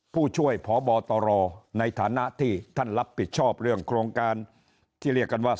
ผู้ช่วยพบตรในฐานะที่ท่านรับผิดชอบเรื่องโครงการที่เรียกกันว่า